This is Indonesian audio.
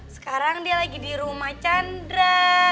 sekarang dia lagi di rumah chandra